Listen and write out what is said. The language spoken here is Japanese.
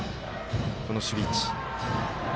この守備位置。